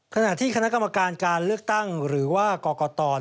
ขณะที่คณะกรรมการการเลือกตั้งหรือว่ากรกต